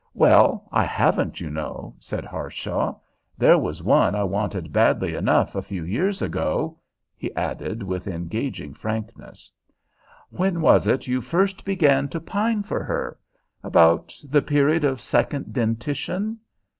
"Well, I haven't, you know," said Harshaw. "There was one I wanted badly enough, a few years ago," he added with engaging frankness. "When was it you first began to pine for her? About the period of second dentition?"